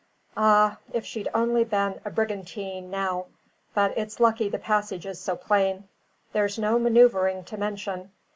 Ah, if she'd only been a brigantine, now! But it's lucky the passage is so plain; there's no manoeuvring to mention.